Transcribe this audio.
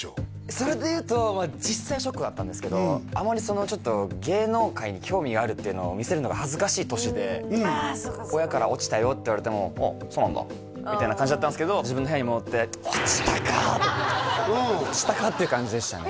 それでいうと実際ショックだったんですけどあまりちょっと芸能界に興味あるっていうのを見せるのが恥ずかしい年で親から落ちたよって言われても「あっそうなんだ」みたいな感じだったんですけど自分の部屋に戻って落ちたかっていう感じでしたね